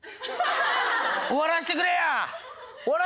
終わらせてくれや！